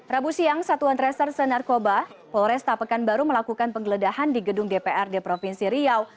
rabu siang satuan tresor senarkoba polres tapekan baru melakukan penggeledahan di gedung dprd provinsi riau